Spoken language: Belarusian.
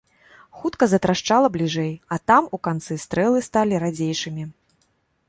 Хутка затрашчала бліжэй, а там, у канцы, стрэлы сталі радзейшымі.